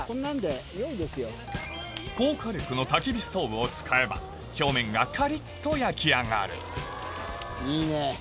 高火力のたき火ストーブを使えば表面がカリっと焼き上がるいいね。